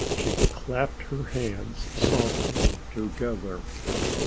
She clapped her hands softly together.